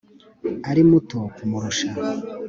ari muto kumurusha